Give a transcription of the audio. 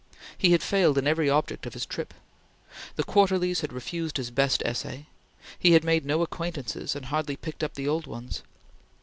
He had failed in every object of his trip. The Quarterlies had refused his best essay. He had made no acquaintances and hardly picked up the old ones.